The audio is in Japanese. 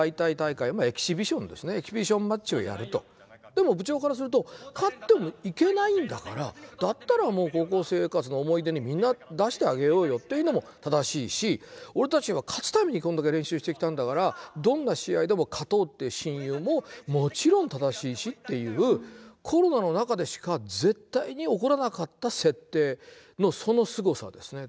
でも部長からすると勝っても行けないんだからだったらもう高校生活の思い出にみんな出してあげようよっていうのも正しいし俺たちは勝つためにこれだけ練習してきたんだからどんな試合でも勝とうって親友ももちろん正しいしっていうコロナの中でしか絶対に起こらなかった設定そのすごさですね。